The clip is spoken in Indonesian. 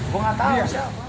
gue gak tau